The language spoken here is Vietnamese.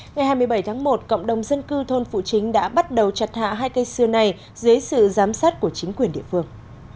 ngày hai mươi bảy tháng một cộng đồng dân cư thôn phụ chính đã bắt đầu chặt hạ hai cây xưa này dưới sự giám sát của chính quyền địa phương